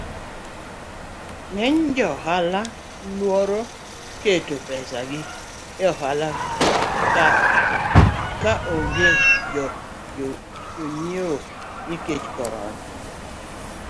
Ng'eny jo ohala luoro keto pesagi eohala ka onge jonyiewo nikech corona.